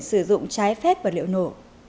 sử dụng trái phép và liệu nổ